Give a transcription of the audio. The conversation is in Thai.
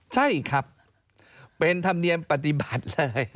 ใช่ครับเป็นธรรมเนียมปฏิบัติเลย